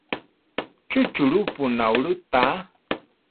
¿Chu churúpo naulú tá?